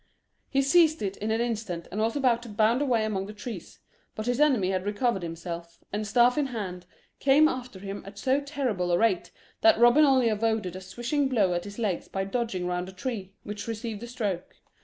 He seized it in an instant, and was about to bound away among the trees, but his enemy had recovered himself, and staff in hand, came after him at so terrible a rate that Robin only avoided a swishing blow at his legs by dodging round a tree, which received the stroke.